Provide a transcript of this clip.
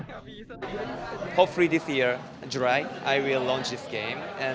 semoga tahun ini juraik saya akan meluncurkan game ini